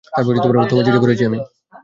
তোমার চিঠি পড়েছি আমি।